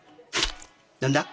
何だ？